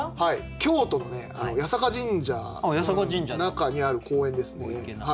京都の八坂神社の中にある公園ですね。